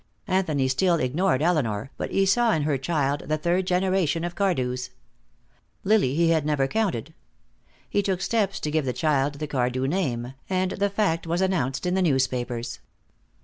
Anthony still ignored Elinor, but he saw in her child the third generation of Cardews. Lily he had never counted. He took steps to give the child the Cardew name, and the fact was announced in the newspapers.